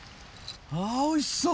あおいしそう。